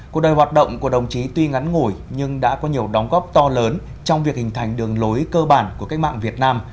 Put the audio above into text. cuộc đời hoạt động của đồng chí tuy ngắn ngủi nhưng đã có nhiều đóng góp to lớn trong việc hình thành đường lối cơ bản của cách mạng việt nam